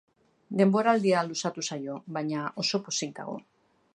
Denboraldia luzatu zaio, baina oso pozik dago.